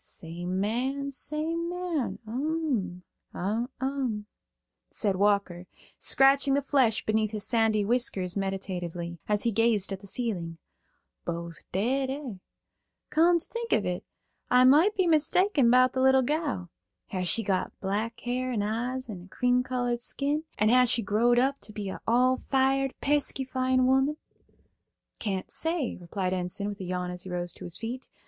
"Same man, same man. Um, um," saidWalker, scratching the flesh beneath his sandy whiskers meditatively, as he gazed at the ceiling. "Both dead, eh? Come to think of it, I moight be mistaken about the little gal. Has she got black hair and eyes and a cream colored skin, and has she growed up to be a all fired pesky fine woman?" "Can't say," replied Enson, with a yawn as he rose to his feet.